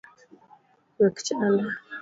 Wek chanda